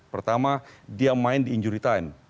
pertama dia main di injury time